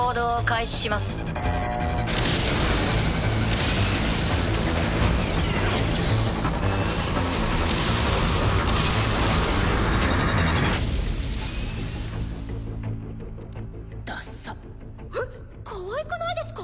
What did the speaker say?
えっかわいくないですか？